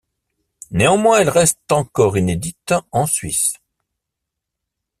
Néanmoins, elle reste encore inédite en Suisse.